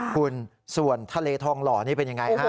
คุณส่วนทะเลทองหล่อนี่เป็นยังไงฮะ